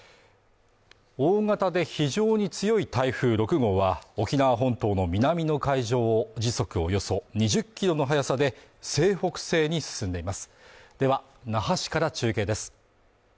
大型で非常に強い台風６号は沖縄本島の南の海上を時速およそ２０キロの速さで西北西に進んでいますでは那覇市から中継です